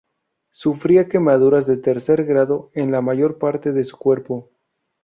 Sufría quemaduras de tercer grado en la mayor parte de su cuerpo.